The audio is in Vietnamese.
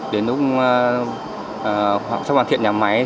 đến lúc sắp hoàn thiện nhà máy